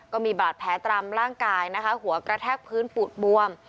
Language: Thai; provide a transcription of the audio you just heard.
ก็มีบาดแผลตามร่างกายนะคะหัวกระแทกพื้นปูดบวม